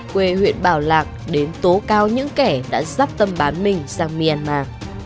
quê huyện bảo lạc đến tố cao những kẻ đã sắp tâm bán mình sang myanmar